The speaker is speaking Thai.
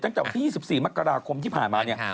ตั้งแต่ว่าที่๒๔มกราคมที่ผ่านมา